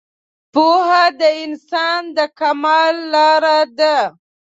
پوهه د انسان د کمال لاره ده